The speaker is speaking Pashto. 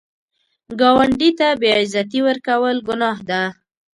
ګاونډي ته بې عزتي ورکول ګناه ده